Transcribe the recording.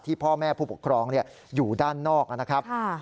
พ่อแม่ผู้ปกครองอยู่ด้านนอกนะครับ